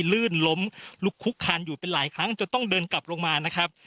ลื่นล้มลุกคุกคานอยู่เป็นหลายครั้งจนต้องเดินกลับลงมานะครับ